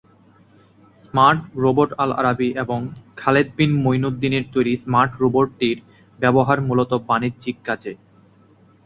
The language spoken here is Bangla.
স্মার্ট রোবটআলআরাবি এবং খালেদ বিন মইনুদ্দিনের তৈরি স্মার্ট রোবটটির ব্যবহার মূলত বাণিজ্যিক কাজে।